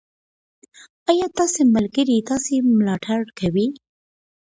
ایا ستاسې ملګري ستاسې ملاتړ کوي؟